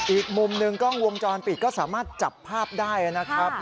อีกมุมหนึ่งกล้องวงจรปิดก็สามารถจับภาพได้นะครับ